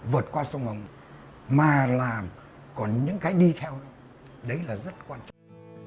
vượt qua sông hồng mà là còn những cái đi theo đó đấy là rất quan trọng